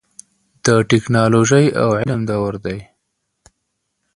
د ټیکنالوژۍ او علم دور دی.